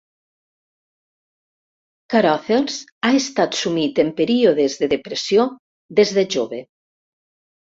Carothers ha estat sumit en períodes de depressió des de jove.